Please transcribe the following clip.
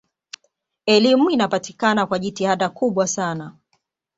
elimu inapatikana kwa jitihada kubwa sana